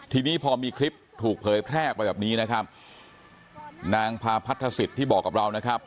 ทีนี้พอมีคลิปถูกเผยแพร่ออกไปแบบนี้นะครับนางพาพัทธศิษย์ที่บอกกับเรานะครับ